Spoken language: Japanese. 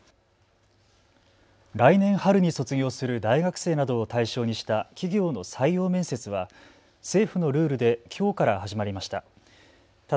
来年春に卒業する大学生などを対象にした企業の採用面接は政府のルールできょうから始まりました。